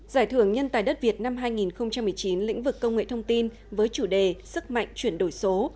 giải thưởng nhân tài đất việt năm hai nghìn một mươi chín lĩnh vực công nghệ thông tin với chủ đề sức mạnh chuyển đổi số